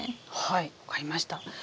はい分かりました。